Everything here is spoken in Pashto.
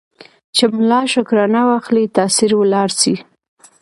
چي ملا شکرانه واخلي تأثیر ولاړ سي